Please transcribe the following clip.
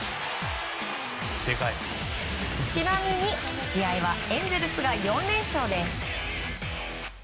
ちなみに試合はエンゼルスが４連勝です。